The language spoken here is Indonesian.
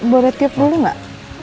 boleh tiap dulu enggak